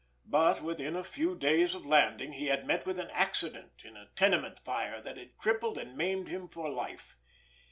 But within a few days of landing he had met with an accident in a tenement fire that had crippled and maimed him for life.